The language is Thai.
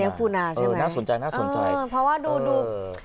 เลี้ยงปูนาใช่ไหมเออน่าสนใจน่าสนใจเออเพราะว่าดูดูเออ